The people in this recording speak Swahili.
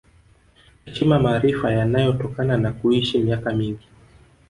Heshima maarifa yanayotokana na kuishi miaka mingi